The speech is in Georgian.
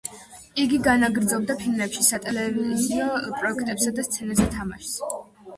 იგი განაგრძობდა ფილმებში, სატელევიზიო პროექტებსა და სცენაზე თამაშს.